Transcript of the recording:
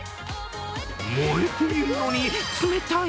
燃えているのに冷たい？